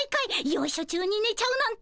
よいしょ中に寝ちゃうなんて。